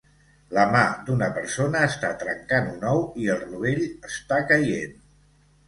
La mà d'una persona està trencant un ou i el rovell està caient